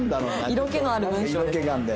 色気のある文章です。